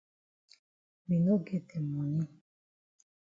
We no get de moni.